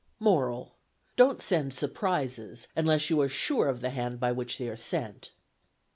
Moral: Don't send "surprises" unless you are sure of the hand by which they are sent.